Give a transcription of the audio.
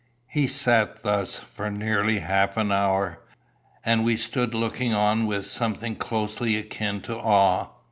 He sat thus for nearly half an hour, and we stood looking on with something closely akin to awe.